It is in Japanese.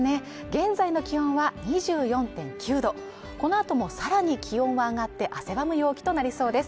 現在の気温は２４．９度この後もさらに気温は上がって汗ばむ陽気となりそうです。